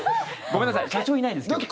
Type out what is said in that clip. ごめんなさい社長いないんです、今日。